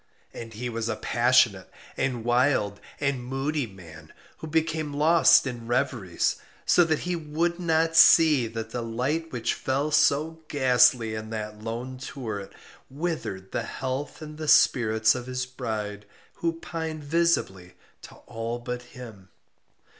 And he was a passionate, and wild, and moody man, who became lost in reveries; so that he would not see that the light which fell so ghastly in that lone turret withered the health and the spirits of his bride, who pined visibly to all but him.